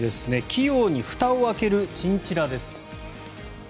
器用にふたを開けるチンチラです。